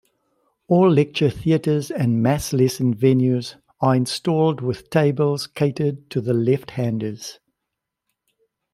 All lecture theatres and mass lesson venues are installed with tables catered to left-handers.